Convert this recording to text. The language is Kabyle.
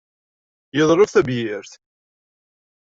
Yeḍleb tabyirt.